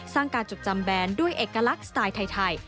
การจดจำแบรนด์ด้วยเอกลักษณ์สไตล์ไทย